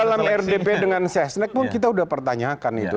dalam rdp dengan sesnek pun kita sudah pertanyakan itu